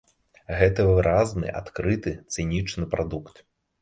Гэта выразны, адкрыты, цынічны прадукт.